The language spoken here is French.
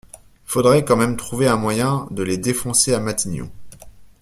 Faudrait quand même trouver un moyen de les défoncer à Matignon.